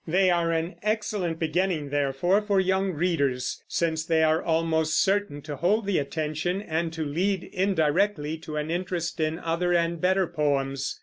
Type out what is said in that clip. They are an excellent beginning, therefore, for young readers, since they are almost certain to hold the attention, and to lead indirectly to an interest in other and better poems.